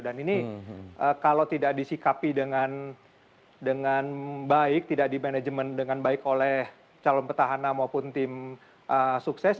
dan ini kalau tidak disikapi dengan baik tidak dimanajemen dengan baik oleh calon petahana maupun tim sukses